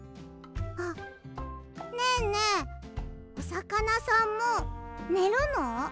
あっねえねえおさかなさんもねるの？